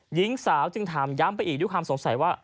หญิงสาวจึงถามย้ำไปอีกด้วยความสงสัยว่า